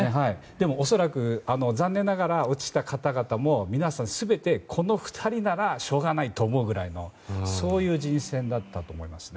でも恐らく残念ながら落ちた方々も皆さん全て、この２人ならしょうがないと思うくらいのそういう人選だったと思いますね。